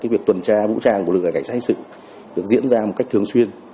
việc tuần tra vũ trang của lực lượng cảnh sát hình sự được diễn ra một cách thường xuyên